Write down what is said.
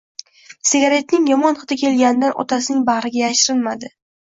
Sigaretning yomon hidi kelganidan otasining bag'riga yashirinmadi.